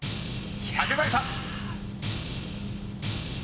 竹財さん］